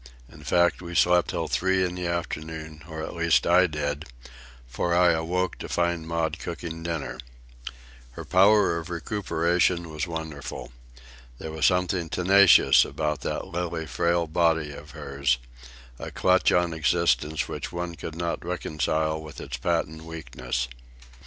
In fact, we slept till three in the afternoon, or at least I did, for I awoke to find Maud cooking dinner. Her power of recuperation was wonderful. There was something tenacious about that lily frail body of hers, a clutch on existence which one could not reconcile with its patent weakness.